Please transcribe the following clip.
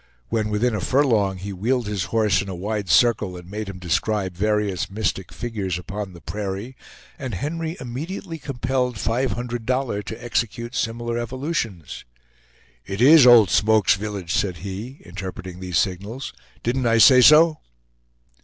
When within a furlong he wheeled his horse in a wide circle, and made him describe various mystic figures upon the prairie; and Henry immediately compelled Five Hundred Dollar to execute similar evolutions. "It IS Old Smoke's village," said he, interpreting these signals; "didn't I say so?"